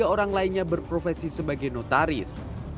tiga orang lainnya berprofesi sebagai notaris